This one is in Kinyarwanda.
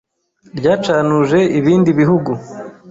Ryacanuje ibindi bihugu